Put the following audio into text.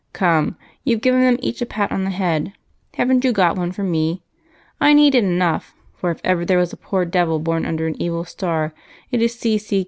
"Come, you've given them each a pat on the head haven't you got one for me? I need it enough, for if ever there was a poor devil born under an evil star, it is C. C.